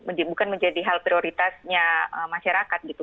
pemilu atau pilkada bukan menjadi hal prioritasnya masyarakat gitu